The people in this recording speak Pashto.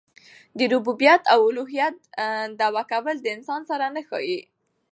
د ربوبیت او اولوهیت دعوه کول د انسان سره نه ښايي.